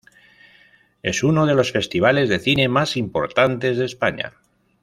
Es uno de los festivales de cine más importantes de España.